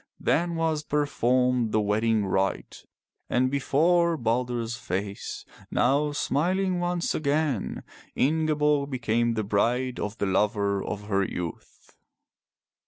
Then was performed the wedding rite, and before Balder's face, now smiling once again, Ingeborg became the bride of the lover of her youth.